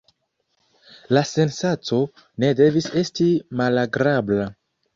La sensaco ne devis esti malagrabla.